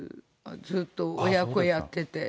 ずっと親子やってて。